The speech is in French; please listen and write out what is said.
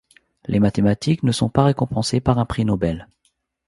Les mathématiques ne sont pas récompensées par un prix Nobel.